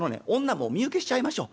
もう身請けしちゃいましょう。